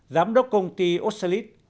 giám đốc công ty ocelit